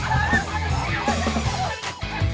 deactivated peng epididaka kan khas hopedh